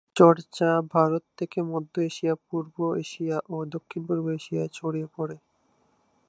চর্চা ভারত থেকে মধ্য এশিয়া, পূর্ব এশিয়া ও দক্ষিণ -পূর্ব এশিয়ায় ছড়িয়ে পড়ে।